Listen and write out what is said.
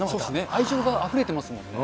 愛情があふれてますもんね。